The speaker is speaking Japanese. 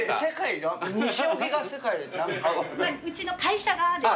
うちの会社がです。